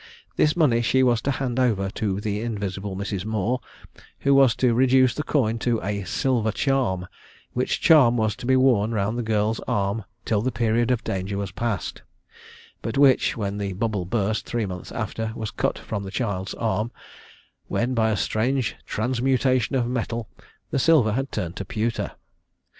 This money she was to hand over to the invisible Mrs. Moore, who was to reduce the coin to a "silver charm," which charm was to be worn round the girl's arm till the period of danger was past, but which, when the bubble burst three months after, was cut from the child's arm, when by a strange transmutation of metal, the silver had turned to pewter.